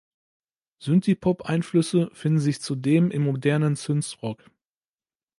Synthiepop-Einflüsse finden sich zudem im modernen Synth Rock.